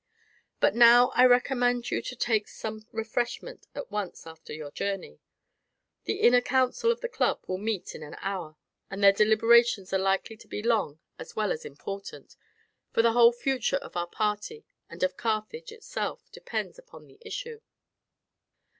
But now, I recommend you to take some refreshment at once after your journey. The inner council of the club will meet in an hour, and their deliberations are likely to be long as well as important, for the whole future of our party, and of Carthage itself, depends upon the issue."